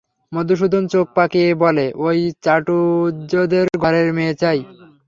মধুসূদন চোখ পাকিয়ে বলে, ঐ চাটুজ্যেদের ঘরের মেয়ে চাই।